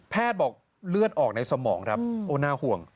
บอกเลือดออกในสมองครับโอ้น่าห่วง